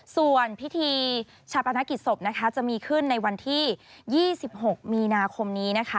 ส่วนพิธีชาปนกิจศพนะคะจะมีขึ้นในวันที่๒๖มีนาคมนี้นะคะ